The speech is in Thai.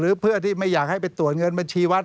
เพื่อที่ไม่อยากให้ไปตรวจเงินบัญชีวัด